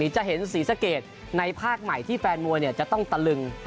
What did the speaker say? จะเห็นศรีสะเกดในภาคใหม่ที่แฟนมวยจะต้องตะลึง